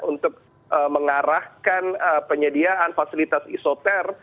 untuk mengarahkan penyediaan fasilitas isoter